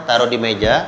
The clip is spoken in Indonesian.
taruh di meja